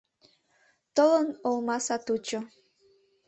Толын олма сатучо.